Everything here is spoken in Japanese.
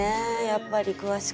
やっぱり詳しくは。